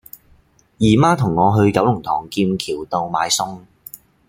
姨媽同我去九龍塘劍橋道買餸